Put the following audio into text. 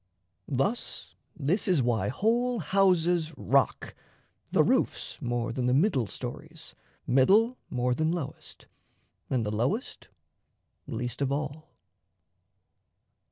Thus, this is why whole houses rock, the roofs More than the middle stories, middle more Than lowest, and the lowest least of all.